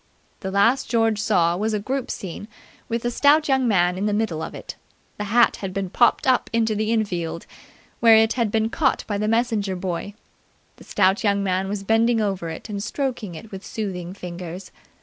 The last George saw was a group scene with the stout young man in the middle of it. The hat had been popped up into the infield, where it had been caught by the messenger boy. The stout young man was bending over it and stroking it with soothing fingers.